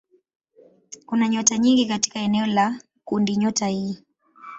Kuna nyota nyingi katika eneo la kundinyota hii.